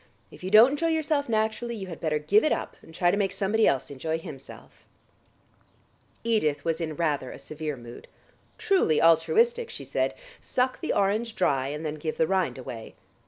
If you don't enjoy yourself naturally, you had better give it up, and try to make somebody else enjoy himself." Edith was in rather a severe mood. "Truly altruistic," she said. "Suck the orange dry, and then give the rind away."